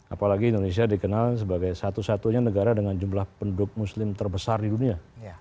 apalagi indonesia dikenal sebagai satu satunya negara dengan jumlah penduduk muslim terbesar di dunia